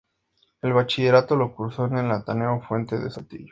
El bachillerato lo cursó en el Ateneo Fuente de Saltillo.